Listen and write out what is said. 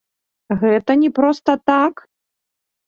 Гэта не проста так?